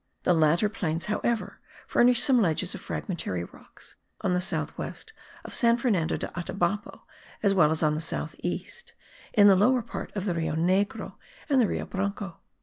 The latter plains, however, furnish some ledges of fragmentary rocks on the south west of San Fernando de Atabapo, as well as on the south east, in the lower part of the Rio Negro and the Rio Branco.